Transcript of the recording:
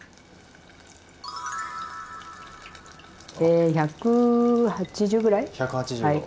え１８０ぐらい？